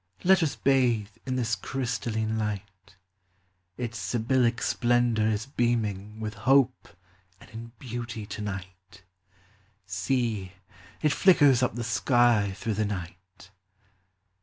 Let us bathe in this crystalline light ! Its sibyllic splendor is beaming With hope and in beauty to night: See, it flickers up the sky through the night